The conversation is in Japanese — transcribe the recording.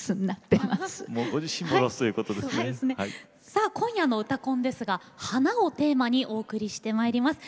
さあ今夜の「うたコン」ですが「花」をテーマにお送りしてまいります。